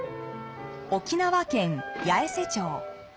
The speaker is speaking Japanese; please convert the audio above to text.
沖縄県八重瀬町。